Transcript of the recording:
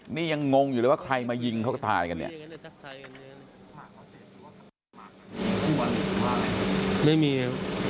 นี่ยังงงอยู่เลยว่าใครมายิงเขาก็ตายกันเนี่ย